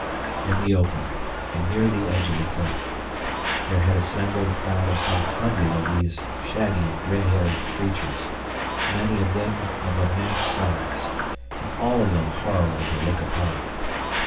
In the open, and near the edge of the cliff, there had assembled a crowd of some hundred of these shaggy, red haired creatures, many of them of immense size, and all of them horrible to look upon.